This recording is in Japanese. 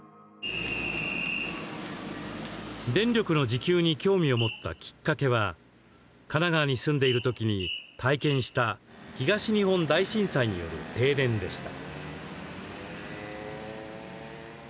電力の自給に興味を持ったきっかけは神奈川に住んでいるときに体験した東日本大震災による停電でした。